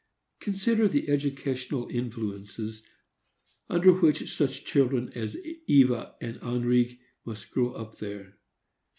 Consider the educational influences under which such children as Eva and Henrique must grow up there!